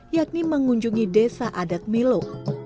yakni mengunjungi desa adat milo